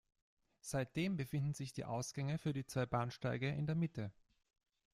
Seitdem befinden sich die Ausgänge für die zwei Bahnsteige in der Mitte.